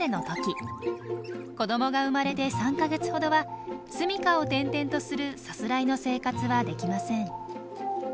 子どもが生まれて３か月ほどはすみかを転々とするさすらいの生活はできません。